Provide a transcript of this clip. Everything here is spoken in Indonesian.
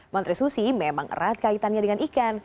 menteri susi memang erat kaitannya dengan ikan